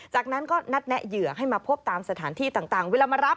จากนั้นก็นัดแนะเหยื่อให้มาพบตามสถานที่ต่างเวลามารับ